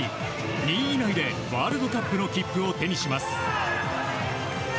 ２位以内でワールドカップの切符を手にします。